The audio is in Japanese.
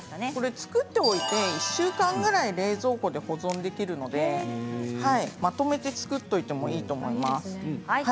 作っておいて１週間ぐらい冷蔵庫で保存できるのでまとめて作っておいてもいいと思います。